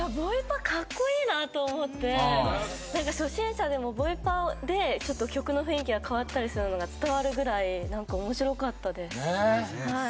初心者でもボイパで曲の雰囲気が変わったりするのが伝わるぐらい面白かったです。